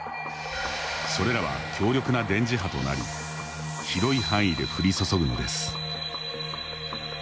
それらは強力な電磁波となり広い範囲で降り注ぐのです。